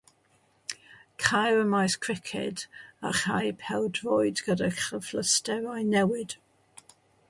Ceir maes criced a chae pêl-droed gyda chyfleusterau newid.